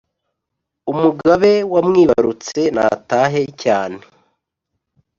umugabe wamwibarutse natahe cyane,